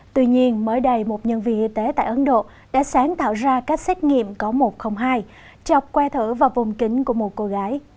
tuy nhiên mới đây một nhân viên y tế tại ấn độ đã sáng tạo ra các xét nghiệm có một trăm linh hai chọc que thử vào vùng kính của một cô gái